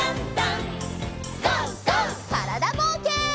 からだぼうけん。